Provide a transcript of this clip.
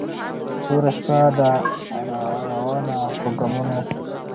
توره شپه ده را روانه په ګامونو